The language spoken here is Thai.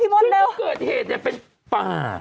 เครือเกิดเหตุเนี่ยเป็นป่า